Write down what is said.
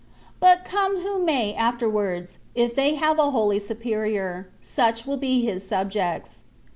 But come who may afterwards, if they have a holy superior, such will be his subjects.